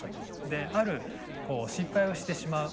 である失敗をしてしまう。